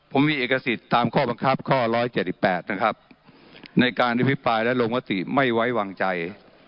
ผมมีเอกสิทธิ์ตามข้อบังคับข้อร้อยเจ็ดหยิบแปดนะครับในการที่วิปไทยและโรงพิธีไม่ไว้วางใจ